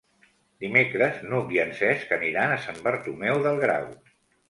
Dimecres n'Hug i en Cesc aniran a Sant Bartomeu del Grau.